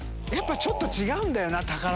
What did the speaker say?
ちょっと違うんだよな。